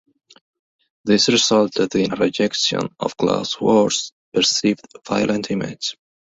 This resulted in a rejection of Class War's perceived violent image.